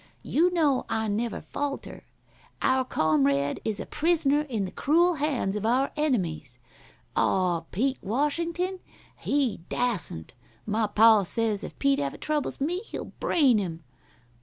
You know I never falter. Our comrade is a prisoner in the cruel hands of our enemies. Aw, Pete Washington? He dassent. My pa says if Pete ever troubles me he'll brain 'im.